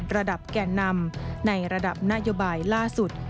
ระดับแก่นำในระดับนโยบายล่าสุด